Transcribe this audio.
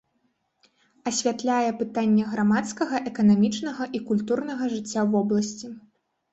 Асвятляе пытанні грамадскага, эканамічнага і культурнага жыцця вобласці.